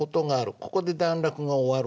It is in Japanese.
ここで段落が終わるんですね。